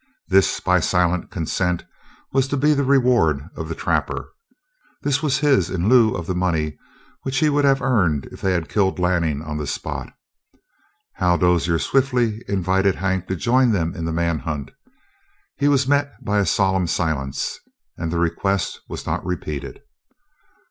This, by silent consent, was to be the reward of the trapper. This was his in lieu of the money which he would have earned if they had killed Lanning on the spot. Hal Dozier stiffly invited Hank to join them in the manhunt; he was met by a solemn silence, and the request was not repeated.